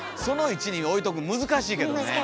その位置に置いとくん難しいけどね。